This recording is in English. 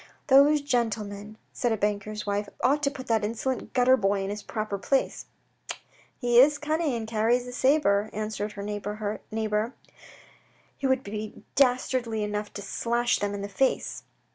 Those gentlemen," said a banker's wife, " ought to put that insolent gutter boy in his proper place." A KING AT VERRIERES 107 " He is cunning and carries a sabre," answered her neighbour. " He would be dastardly enough to slash them in the face."